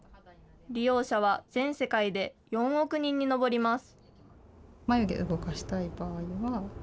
利用者は全世界で４億人に上ります。